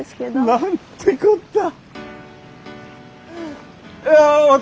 何てこった！